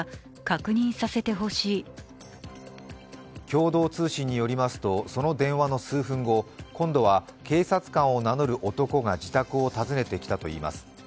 共同通信によりますとその電話の数分後、今度は警察官を名乗る男が自宅を訪ねてきたといいます。